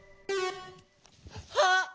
あっ！